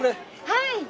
はい。